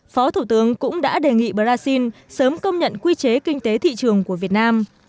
phó thủ tướng cũng đã đề nghị brazil sớm công nhận quy chế kinh tế thị trường của việt nam